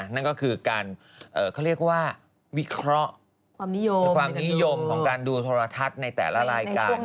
นั่นก็คือการเขาเรียกว่าวิเคราะห์ความนิยมความนิยมของการดูโทรทัศน์ในแต่ละรายการ